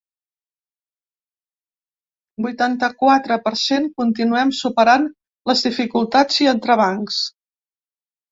Vuitanta-quatre per cent Continuem superant les dificultats i entrebancs.